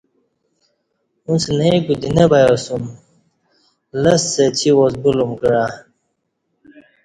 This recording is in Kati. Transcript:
اݩڅ نئ کو دی نہ بیاسوم لسہ اچی واس بولم کعہ